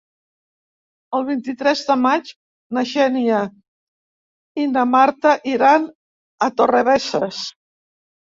El vint-i-tres de maig na Xènia i na Marta iran a Torrebesses.